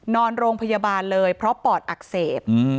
นอนโรงพยาบาลเลยเพราะปอดอักเสบ